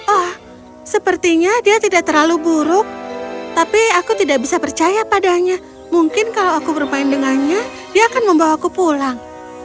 oh sepertinya dia tidak terlalu buruk tapi aku tidak bisa percaya padanya mungkin kalau aku bermain dengannya dia akan membawaku pulang